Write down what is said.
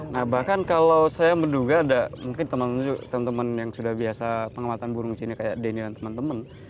nah bahkan kalau saya menduga ada mungkin teman teman yang sudah biasa pengamatan burung sini kayak denny dan teman teman